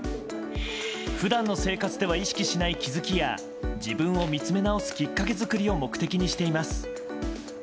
普段の生活では意識しない気づきや自分を見つめ直すきっかけ作りを目的にしています。